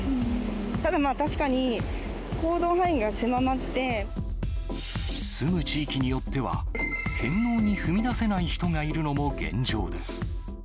ただ、確かに、住む地域によっては、返納に踏み出せない人がいるのも現状です。